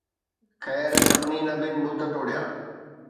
خير، سڀني نبين بت ٽوڙيا.